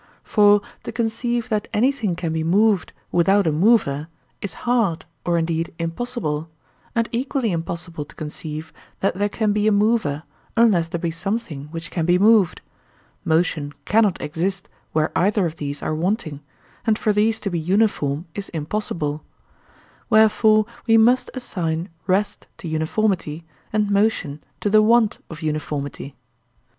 For to conceive that anything can be moved without a mover is hard or indeed impossible, and equally impossible to conceive that there can be a mover unless there be something which can be moved—motion cannot exist where either of these are wanting, and for these to be uniform is impossible; wherefore we must assign rest to uniformity and motion to the want of uniformity.